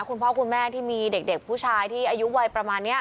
คุณพ่อคุณแม่ที่มีเด็กผู้ชายที่อายุวัยประมาณนี้